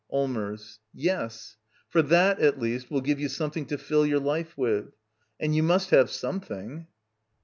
Allmers. Yes. For that, at least, will give you something to fill your life with. And you must have something.